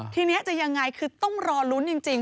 ทีนี้จะยังไงคือต้องรอลุ้นจริง